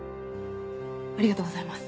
ありがとうございます。